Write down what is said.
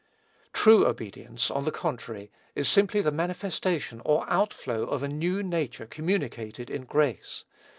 True obedience, on the contrary, is simply the manifestation or outflow of a new nature communicated in grace.